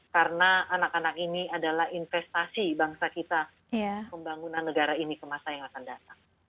karena anak anak ini adalah investasi bangsa kita untuk pembangunan negara ini ke masa yang akan datang